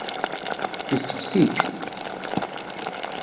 Yessexsi-tt.